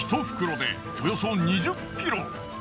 １袋でおよそ２０キロ。